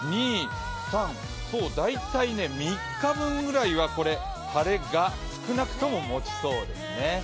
１、２、３、大体３日分ぐらいは晴れが少なくとももちそうですね。